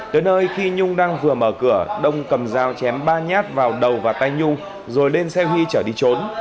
tới nơi khi nhung đang vừa mở cửa đông cầm dao chém ba nhát vào đầu và tay nhung rồi lên xe huy chở đi trốn